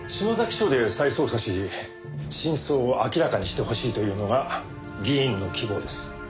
署で再捜査し真相を明らかにしてほしいというのが議員の希望です。